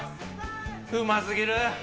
うますぎる。